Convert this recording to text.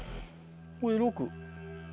これで６。